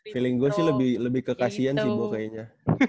feeling gue sih lebih kekasian sih gue kayaknya